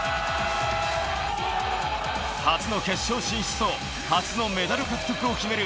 初の決勝進出と初のメダル獲得を決める